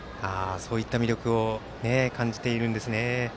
そういった魅力を感じているんですね。